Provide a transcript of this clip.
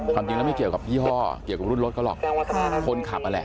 ความจริงแล้วไม่เกี่ยวกับยี่ห้อเกี่ยวกับรุ่นรถเขาหรอกคนขับนั่นแหละ